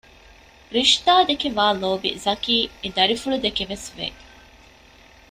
ރިޝްދާ ދެކެ ވާ ލޯބި ޒަކީ އެދަރިފުޅުދެކެވެސް ވެ